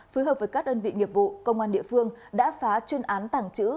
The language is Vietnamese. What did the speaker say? phối hợp với các đơn vị nghiệp vụ công an địa phương đã phá chuyên án tàng trữ